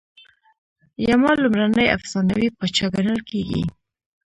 یما لومړنی افسانوي پاچا ګڼل کیږي